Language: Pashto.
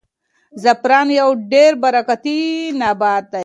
زعفران یو ډېر برکتي نبات دی.